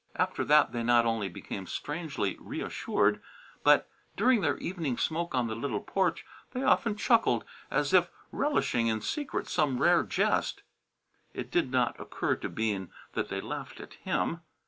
After that they not only became strangely reassured, but during their evening smoke on the little porch they often chuckled as if relishing in secret some rare jest. It did not occur to Bean that they laughed at him.